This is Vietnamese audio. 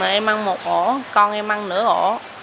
em ăn một ổ con em ăn nửa ổ